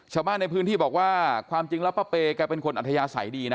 ชาวบ้านในพื้นที่บอกว่าความจริงแล้วป้าเปย์แกเป็นคนอัธยาศัยดีนะ